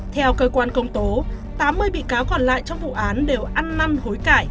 theo cơ quan công tố tám mươi bị cáo còn lại trong vụ án đều ăn năn hối cải